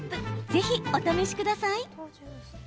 ぜひお試しください。